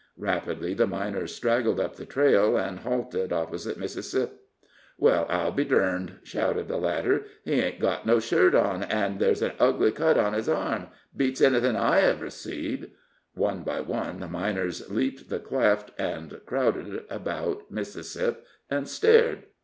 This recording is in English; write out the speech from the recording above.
Rapidly the miners straggled up the trail, and halted opposite Mississip. "Well, I'll be durned!" shouted the latter; "he ain't got no shirt on, an' there's an ugly cut in his arm. It beats anything I ever seed!" One by one the miners leaped the cleft, and crowded about Mississip and stared.